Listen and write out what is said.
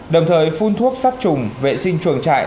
đồng thời phun thuốc sắc trùng vệ sinh trường trại